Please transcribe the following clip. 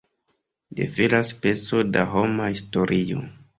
Defilas peco da homa historio.